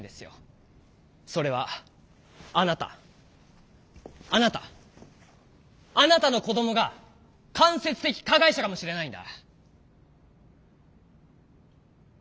それはあなたあなたあなたの子どもが間接的加害者かもしれないんだ。